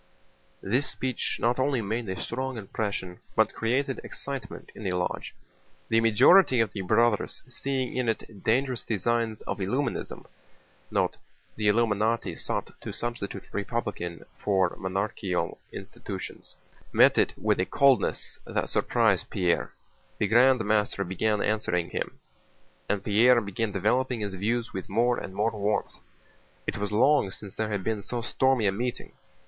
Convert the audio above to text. This speech not only made a strong impression, but created excitement in the lodge. The majority of the Brothers, seeing in it dangerous designs of Illuminism, * met it with a coldness that surprised Pierre. The Grand Master began answering him, and Pierre began developing his views with more and more warmth. It was long since there had been so stormy a meeting.